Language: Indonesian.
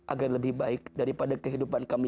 agar lebih baik daripada kehidupan kami